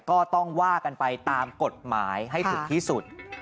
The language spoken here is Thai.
ก็ต้องว่ากันไปตามกฎหมายให้ถึงที่สุด